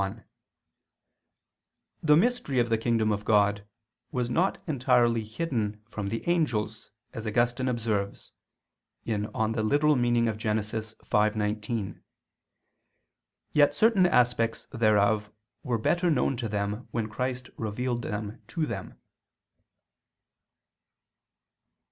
1: The mystery of the Kingdom of God was not entirely hidden from the angels, as Augustine observes (Gen. ad lit. v, 19), yet certain aspects thereof were better known to them when Christ revealed them to them.